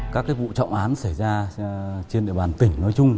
các vụ trọng án xảy ra trên địa bàn tỉnh nói chung